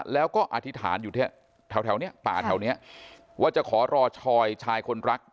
แล้วก็อธิษฐานอยู่แถวเนี่ยป่าแถวนี้ว่าจะขอรอชอยชายคนรัก